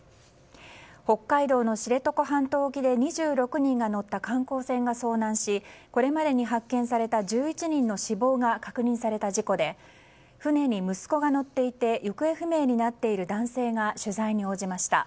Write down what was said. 北海道の知床半島沖で２６人が乗った観光船が遭難しこれまでに発見された１１人の死亡が確認された事故で船に息子が乗っていて行方不明になっている男性が取材に応じました。